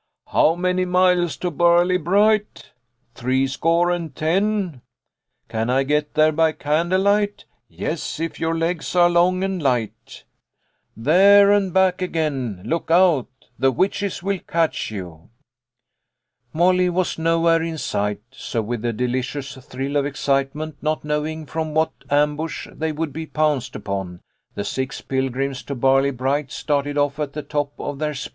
" How many miles to Barley bright ? w " Three score and ten ! n " Can I get there by candle light ?"" Ye Sj if your legs are long and light There and back again / Look out / The witches will catch you !" Molly was nowhere in sight, so with a delicious thrill of excitement, not knowing from what ambush they would be pounced upon, the six pilgrims to Barley bright started off at the top of their speed.